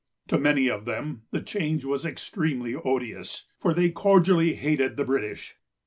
To many of them the change was extremely odious, for they cordially hated the British.